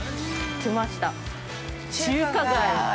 ◆来ました、中華街！